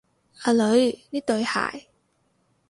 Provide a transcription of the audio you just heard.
阿女，呢對鞋